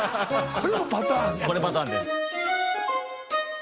このパターンです。